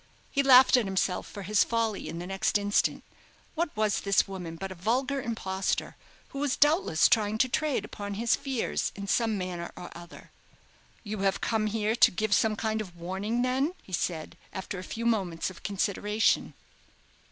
He laughed at himself for his folly in the next instant. What was this woman but a vulgar impostor, who was doubtless trying to trade upon his fears in some manner or other? "You have come here to give some kind of warning, then?" he said, after a few moments of consideration.